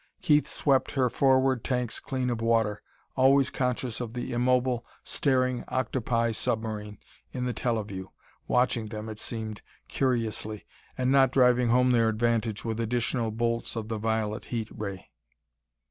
Keith swept her forward tanks clean of water, always conscious of the immobile, staring octopi submarine in the teleview, watching them, it seemed, curiously, and not driving home their advantage with additional bolts of the violet heat ray.